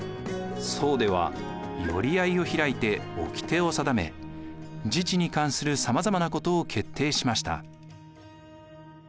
惣では寄合を開いておきてを定め自治に関するさまざまなことを決定しました。